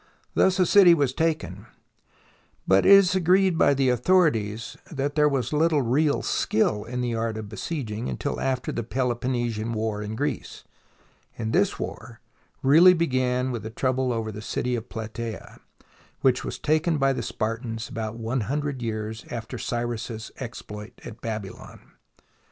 Thus a city was taken, but it is agreed by the authorities that there was little real skill in the art of besieging until after the " Peloponnesian War ,: in Greece, and this war really began with the trouble over the city of Platsea, which was taken by the Spartans THE BOOK OF FAMOUS SIEGES about one hundred years after Cyrus's exploit at Babylon.